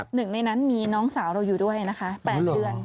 หนึ่งในนั้นมีน้องสาวเราอยู่ด้วยนะคะ๘เดือน